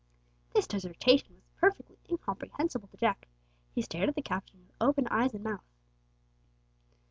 This dissertation was perfectly incomprehensible to Jack. He stared at the Captain with open eyes and mouth.